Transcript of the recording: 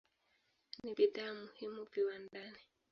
Ni bidhaa muhimu viwandani.